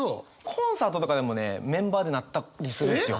コンサートとかでもねメンバーでなったりするんですよ。